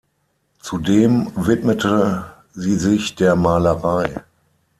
Zudem widmete sie sich der Malerei.